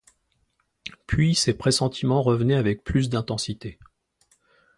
Puis, ses pressentiments revenaient avec plus d’intensité.